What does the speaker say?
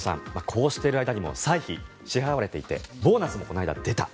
こうしている間にも歳費が支払われていてボーナスもこの間出た。